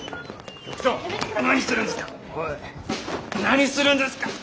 何するんですか！